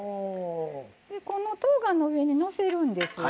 このとうがんの上にのせるんです。